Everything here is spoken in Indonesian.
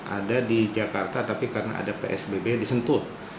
ada di jakarta tapi karena ada psbb yang disentuh